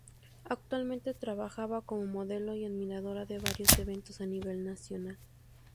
Actualmente trabaja como modelo y animadora de varios eventos a nivel nacional.